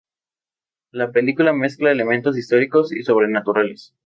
La película mezcla elementos históricos y sobrenaturales.